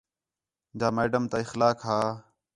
جا میڈم تا اخلاق ہا